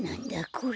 これ。